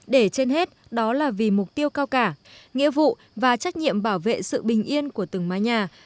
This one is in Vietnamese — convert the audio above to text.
để trên hết đó là vì mục tiêu cao cả nghĩa vụ và trách nhiệm bảo vệ sự bình yên của từng mái nhà